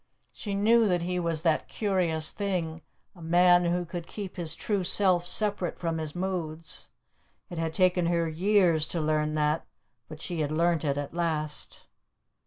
She knew that he was that curious thing a man who could keep his true self separate from his moods. It had taken her years to learn that, but she had learnt it at last.